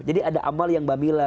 jadi ada amal yang bhamila